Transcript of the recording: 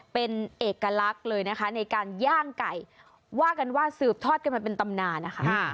เป็นเอกลักษณ์เลยนะคะในการย่างไก่ว่ากันว่าสืบทอดกันมาเป็นตำนานนะคะ